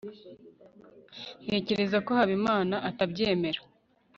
ntekereza ko habimana atabyemera